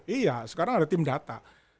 iya sekarang ada tim data